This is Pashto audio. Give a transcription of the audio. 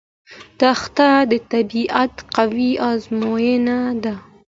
دښته د طبیعت قوي ازموینه ده.